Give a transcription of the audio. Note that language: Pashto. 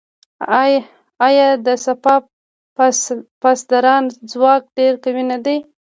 آیا د سپاه پاسداران ځواک ډیر قوي نه دی؟